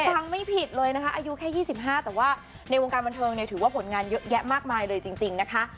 ฟังไม่ผิดเลยนะคะอายุแค่๒๕แต่ว่าในวงการบันเทิงเนี่ยถือว่าผลงานเยอะแยะมากมายเลยจริงนะคะ